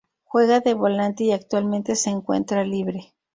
Juega de volante y actualmente se encuentra libre.